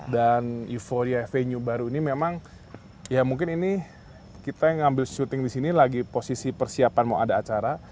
dan euforia venue baru ini memang ya mungkin ini kita yang ambil shooting disini lagi posisi persiapan mau ada acara